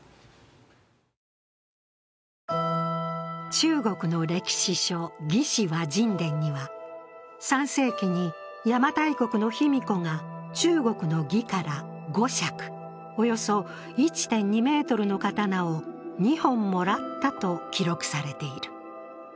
中国の歴史書「魏志倭人伝」には３世紀に邪馬台国の卑弥呼が中国の魏から５尺、およそ１．２ｍの刀を２本もらったと記録されている。